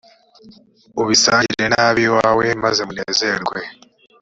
ubisangire n’ab’iwawe, maze munezerwe.